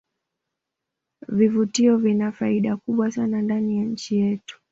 vivutio vina faida kubwa sana ndani ya nchi yetu